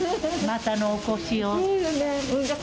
またのお越しを。